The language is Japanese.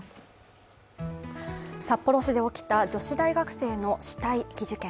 札幌市で起きた女子大学生の死体遺棄事件。